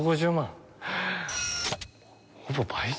１５０万？